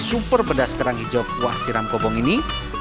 super pedas kerang hijau kuah siram kobong ini